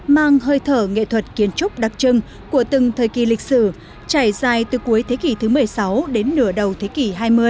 mang hơi thở nghệ thuật kiến trúc đặc trưng của từng thời kỳ lịch sử trải dài từ cuối thế kỷ thứ một mươi sáu đến nửa đầu thế kỷ hai mươi